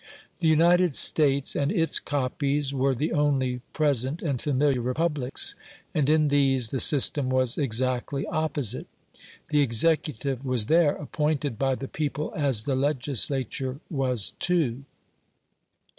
The United States and its copies were the only present and familiar Republics, and in these the system was exactly opposite. The executive was there appointed by the people as the legislature was too.